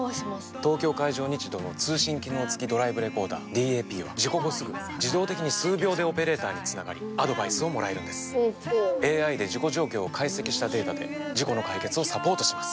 東京海上日動の通信機能付きドライブレコーダーＤＡＰは事故後すぐ自動的に数秒でオペレーターにつながりアドバイスをもらえるんですＡＩで事故状況を解析したデータで事故の解決をサポートします